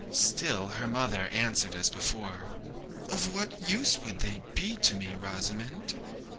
Still her mother answered as before: 'Of what use would they be to me, Rosamond?'